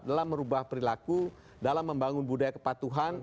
dalam merubah perilaku dalam membangun budaya kepatuhan